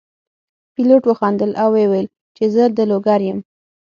پیلوټ وخندل او وویل چې زه د لوګر یم.